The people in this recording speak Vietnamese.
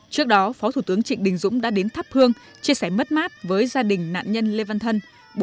trước đó phó thủ tướng trịnh đình dũng đã đến thắp hương chia sẻ mất mát với gia đình nạn nhân lê văn thân